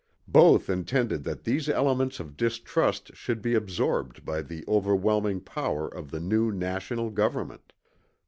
Both intended that these elements of distrust should be absorbed by the overwhelming power of the new national government.